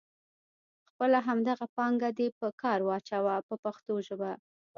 خپله همدغه پانګه دې په کار واچوه په پښتو ژبه.